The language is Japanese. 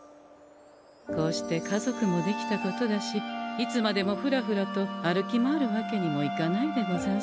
こうして家族もできたことだしいつまでもふらふらと歩き回るわけにもいかないでござんすね。